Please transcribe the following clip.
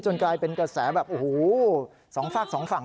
กลายเป็นกระแสแบบโอ้โหสองฝากสองฝั่ง